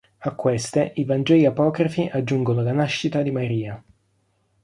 A queste, i Vangeli apocrifi aggiungono la nascita di Maria.